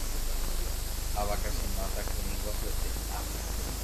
avakachi máta kyrỹi guasuete hi'a